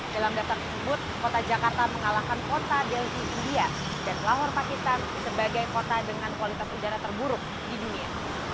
dalam daftar tersebut kota jakarta mengalahkan kota delhi india dan lahor pakistan sebagai kota dengan kualitas udara terburuk di dunia